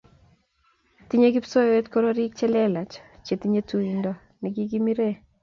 Tinyei kipsoiwet kororik che lelach che tinyei tuindo ne kikimire